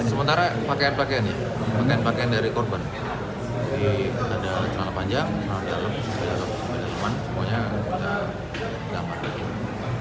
sementara pakaian pakaian dari korban ada celana panjang celana dalam celana kecil celana kecil celana kecil semuanya sudah amankan